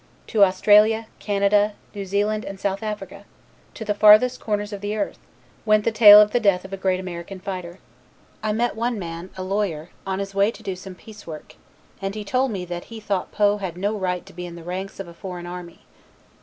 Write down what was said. To Australia, Canada, New Zealand and South Africa into the farthest corners of the earth went the tale of the death of a great American fighter. "I met one man, a lawyer, on his way to do some peace work, and he told me that he thought Poe had no right to be in the ranks of a foreign army.